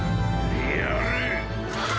やれ！